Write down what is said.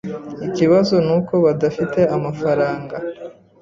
Ikibazo nuko badafite amafaranga.